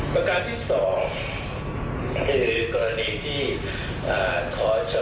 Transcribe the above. ประการที่สองคือกรณีที่ขอช่ออเด็ม